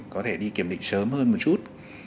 có thể đi kiểm định sớm hơn một chút